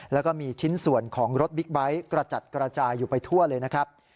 แล้วก็มีชิ้นส่วนของรถบิ๊กไบท์กระจัดกระจายอยู่ไปทั่วเลยนะครับ